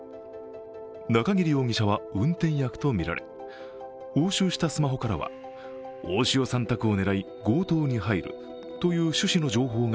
中桐容疑者は運転役とみられ押収したスマホからは大塩さん宅を狙い強盗に入るという趣旨の情報が